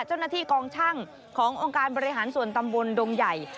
เจ้านาทีกองชั่งขององค์การบรัยษาตะบนดงใหญ่